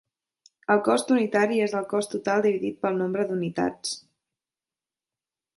El cost unitari és el cost total dividit pel nombre d'unitats.